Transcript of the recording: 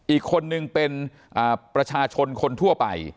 อีกคนนึงเป็นประชาชนคนทั่วไป